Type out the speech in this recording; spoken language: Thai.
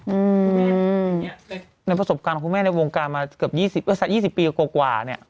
อืออือในประสบการณ์ของคุณแม่ในวงการมาเกือบ๒๐เออสัก๒๐ปีกว่าเนี่ย